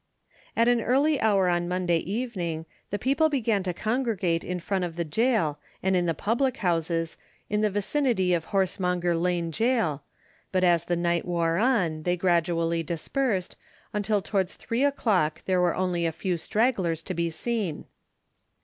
At an early hour on Monday evening the people began to congregate in front of the gaol and in the public houses in the vicinity of Horsemonger lane Gaol, but as the night wore on they gradually dispersed, until towards three o'clock there were only a few stragglers to be seen.